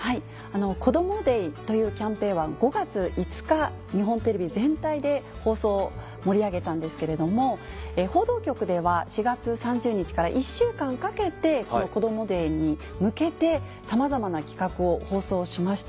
「こどもｄａｙ」というキャンペーンは５月５日日本テレビ全体で放送を盛り上げたんですけれども報道局では４月３０日から１週間かけてこどもｄａｙに向けてさまざまな企画を放送しました。